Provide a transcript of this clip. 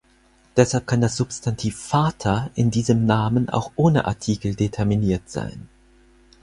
Deshalb kann das Substantiv „Vater“ in diesem Namen auch ohne Artikel determiniert sein.